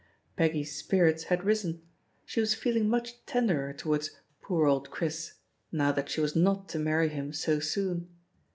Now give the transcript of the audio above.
Peggy's spirits had risen; she was feeling much tenderer towards "poor old Chris" now that she was not to marry him so soon.